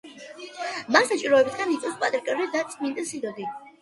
მას საჭიროებისამებრ იწვევს პატრიარქი და წმინდა სინოდი.